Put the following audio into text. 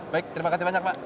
baik terima kasih banyak pak